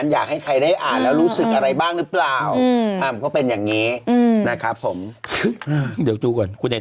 อยากแสดงตัวตนหรือเปล่าอันนี้ก็ไม่รู้